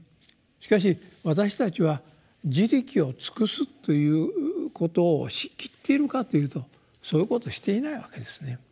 しかし私たちは「自力を尽くす」ということをしきっているかというとそういうことをしていないわけですね。